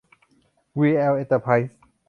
วี แอล เอ็นเตอร์ไพรส์